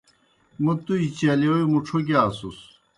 موْ تُجیْ چلِیوئے مُڇھو گِیاسُس۔